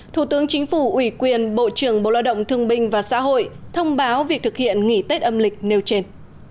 thủ tướng chính phủ ủy quyền bộ trưởng bộ loại động thường bình và xã hội thông báo việc thực hiện nghỉ tết âm lịch nêu trên